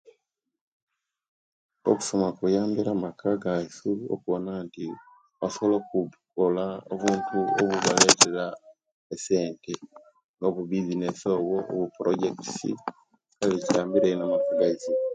Okusoma kuyambire amaka gayisu okubona nti basobola okukola obuntu obubaletera esente nga obubbisinesi obuporojekit kale kyambire ino amaka gayisu